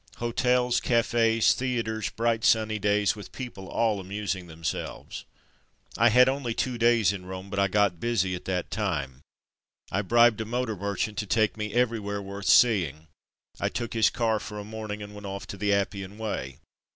Hotels, cafes, theatres, bright sunny days, with people all amusing themselves. I had only two days in Rome, but I got busy in that time. I bribed a motor merchant to take me everywhere worth seeing; I took his car for a morning and went off to the Appian Way.